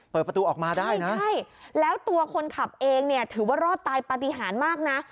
เปิดประตูออกมาได้นะใช่แล้วตัวคนขับเองเนี่ยถือว่ารอดตายปฏิหารมากนะ